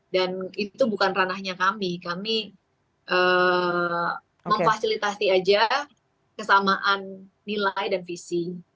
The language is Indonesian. dan itu bukan ranahnya kami kami memfasilitasi aja kesamaan nilai dan visi